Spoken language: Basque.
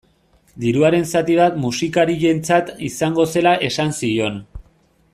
Diruaren zati bat musikarientzat izango zirela esan zion.